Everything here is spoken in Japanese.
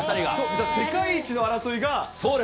じゃあ、世界一の争いが？